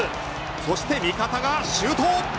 そして味方がシュート。